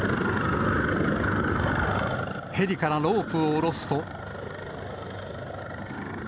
ヘリからロープを下ろすと。